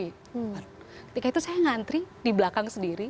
ketika itu saya ngantri di belakang sendiri